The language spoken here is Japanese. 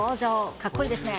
かっこいいですね。